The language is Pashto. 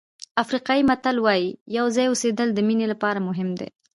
افریقایي متل وایي یو ځای اوسېدل د مینې لپاره مهم دي.